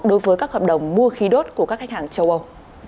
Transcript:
đối với các hợp đồng mua khí đốt của các khách hàng châu âu